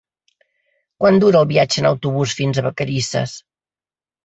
Quant dura el viatge en autobús fins a Vacarisses?